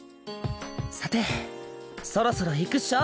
さてそろそろいくっしょ！